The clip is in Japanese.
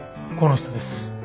この人です。